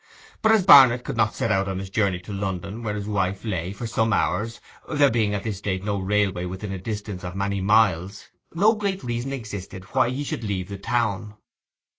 But as Barnet could not set out on his journey to London, where his wife lay, for some hours (there being at this date no railway within a distance of many miles), no great reason existed why he should leave the town.